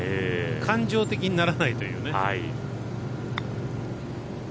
感情的にならないというね。